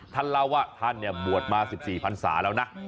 ท่านเล่าว่าท่านบวชมา๑๔พันศาแล้วนะ